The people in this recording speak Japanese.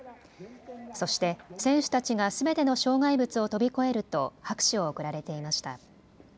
そして選手たちがすべての障害物を飛び越えると拍手を送られていました。